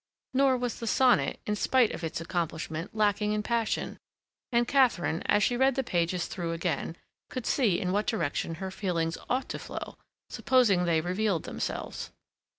Nor was the sonnet, in spite of its accomplishment, lacking in passion, and Katharine, as she read the pages through again, could see in what direction her feelings ought to flow, supposing they revealed themselves.